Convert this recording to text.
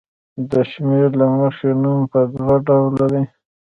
د شمېر له مخې نوم په دوه ډوله دی.